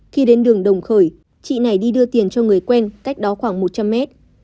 khi đến đường đồng khởi chị này đi đưa tiền cho người quen cách đó khoảng một trăm linh mét